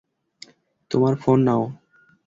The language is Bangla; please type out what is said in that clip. তোমার ফোন নাও।